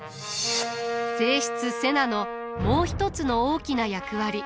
正室瀬名のもう一つの大きな役割。